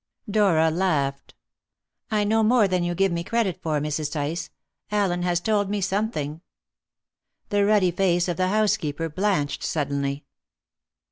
Dora laughed. "I know more than you give me credit for, Mrs. Tice. Allen has told me something." The ruddy face of the housekeeper blanched suddenly.